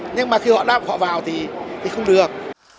nhưng mà khi họ đáp của họ vào thì không được